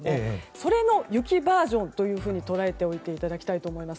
それの雪バージョンというふうに捉えていただきたいと思います。